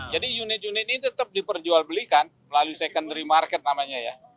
jadi unit unit ini tetap diperjual belikan melalui secondary market namanya ya